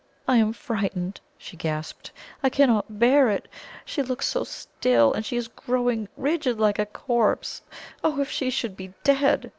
"I am frightened," she gasped. "I cannot bear it she looks so still, and she is growing rigid, like a corpse! Oh, if she should be dead!"